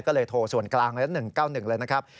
ก็เลยโทรส่วนกลางเลยละ๑๙๑เลยนะครับ